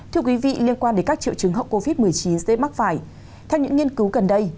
thưa quý vị liên quan đến các triệu chứng hậu covid một mươi chín dễ mắc phải theo những nghiên cứu gần đây